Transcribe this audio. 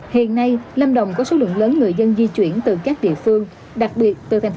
hiện nay lâm đồng có số lượng lớn người dân di chuyển từ các địa phương đặc biệt từ thành phố